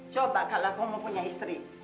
coba kalau kamu punya istri